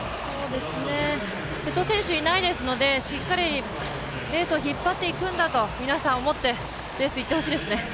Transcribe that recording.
瀬戸選手いないですのでしっかり、レースを引っ張っていくんだと皆さん思ってレースいってほしいですね。